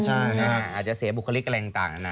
อาจจะเสียบุคลิกอะไรต่าง